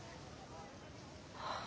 はあ。